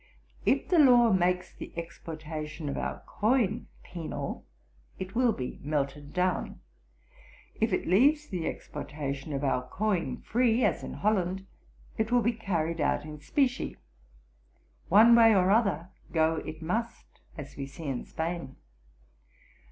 If the law makes the exportation of our coin penal, it will be melted down; if it leaves the exportation of our coin free, as in Holland, it will be carried out in specie. One way or other, go it must, as we see in Spain....